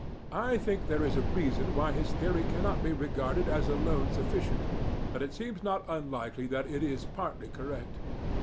I think there is a reason why his theory cannot be regarded as alone sufficient, but it seems not unlikely that it is partly correct.